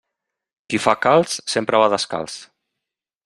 Qui fa calç sempre va descalç.